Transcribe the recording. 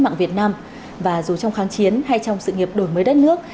mạng việt nam và dù trong kháng chiến hay trong sự nghiệp đổi mới đất nước